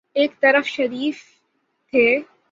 ایک طرف شریف تھے۔